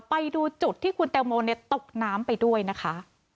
ไปดูจุดที่คุณแตงโมตกน้ำไปด้วยนะคะ